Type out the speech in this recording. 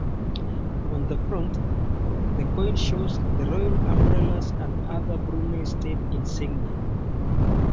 On the front, the coin shows the Royal umbrellas and other Brunei state insignia.